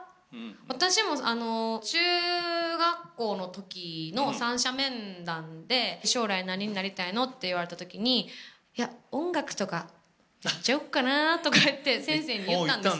私も中学校のときの三者面談で将来何になりたいの？って言われたときに「いや、音楽とかやっちゃおっかなー」とかって先生に言ったんです。